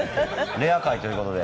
レア回ということで。